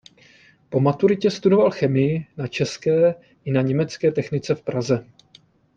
Po maturitě studoval chemii na české i na německé technice v Praze.